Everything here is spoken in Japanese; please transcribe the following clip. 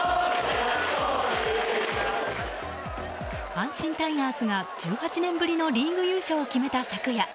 阪神タイガースが１８年ぶりのリーグ優勝を決めた昨夜。